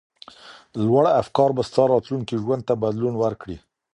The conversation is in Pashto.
لوړ افکار به ستا راتلونکي ژوند ته بدلون ورکړي.